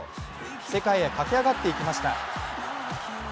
世界へ駆け上がっていきました。